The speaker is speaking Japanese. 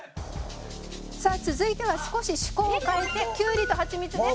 「さあ続いては少し趣向を変えてキュウリとハチミツです。